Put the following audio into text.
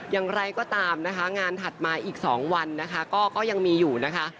อย่างไรก็ตามนะคะงานถัดมาอีก๒วันนะคะก็ยังมีอยู่นะคะ